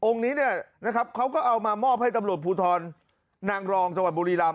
องค์นี้เขาก็เอามามอบให้ตำรวจภูทรนางรองจังหวัดบุรีรัมน์